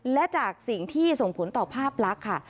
และจากสิ่งที่ส่งผลต่อภาพลักษณ์ค่ะ